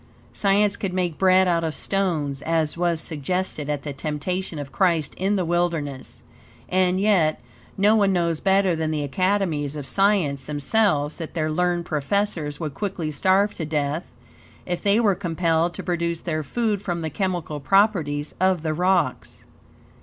Science could make bread out of stones, as was suggested at the temptation of Christ in the wilderness. And yet, no one knows better than the academies of Science, themselves, that their learned professors would quickly starve to death, if they were compelled to produce their food from the chemical properties of the rocks.